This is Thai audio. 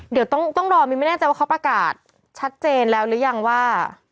เดี๋ยวต้องรอมินไม่แน่ใจว่าเขาประกาศชัดเจนแล้วหรือยังว่า